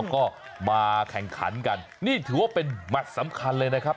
ก็มาแข่งขันกันนี่ถือว่าเป็นแมทสำคัญเลยนะครับ